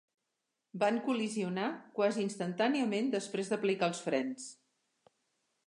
Van col·lisionar quasi instantàniament després d'aplicar els frens.